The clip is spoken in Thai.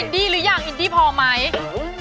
หรือยังอินดี้พอไหม